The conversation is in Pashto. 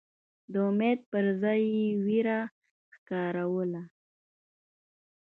د امید پر ځای یې وېره ښکاروله.